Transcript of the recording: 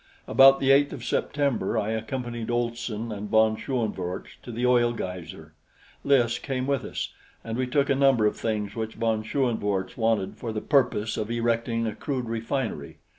About the 8th of September I accompanied Olson and von Schoenvorts to the oil geyser. Lys came with us, and we took a number of things which von Schoenvorts wanted for the purpose of erecting a crude refinery.